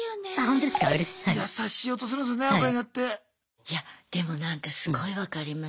いやでもなんかすごい分かります。